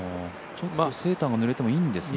セーターがぬれてもいいんですね。